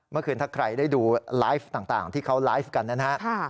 เมื่อคืนถ้าใครได้ดูไลฟ์ต่างที่เขาไลฟ์กันนะฮะ